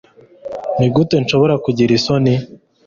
Nigute nshobora kugira isoni